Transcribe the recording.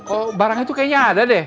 oh barangnya tuh kayaknya ada deh